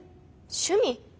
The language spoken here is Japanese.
趣味？